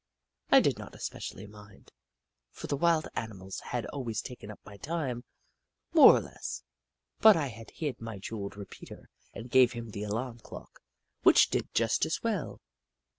I did not especially mind, for the wild animals had always taken up my time, more or less, but I hid my jewelled repeater and gave him the alarm clock, which did just as well.